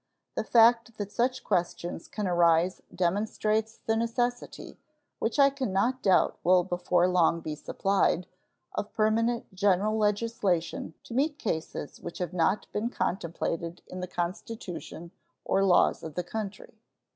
The fact that such questions can arise demonstrates the necessity, which I can not doubt will before long be supplied, of permanent general legislation to meet cases which have not been contemplated in the Constitution or laws of the country.